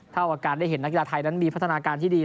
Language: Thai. เท่ากับการได้เห็นนักกีฬาไทยนั้นมีพัฒนาการที่ดี